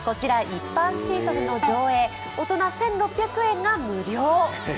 一般シートでの上映大人１６００円が無料。